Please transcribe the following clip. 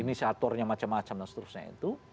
inisiatornya macam macam dan seterusnya itu